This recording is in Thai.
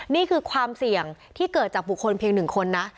นี่คือความเสี่ยงที่เกิดจากบุคคลเพียง๑คนนะ